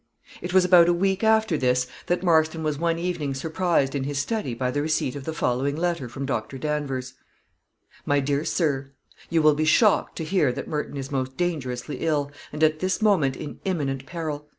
It was about a week after this, that Marston was one evening surprised in his study by the receipt of the following letter from Dr. Danvers: "My Dear Sir, "You will be shocked to hear that Merton is most dangerously ill, and at this moment in imminent peril.